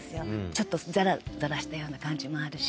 ちょっとザラザラしたような感じもあるし。